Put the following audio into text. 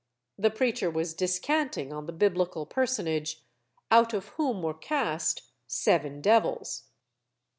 The preacher was discanting on the Biblical personage "out of whom were cast seven devils.'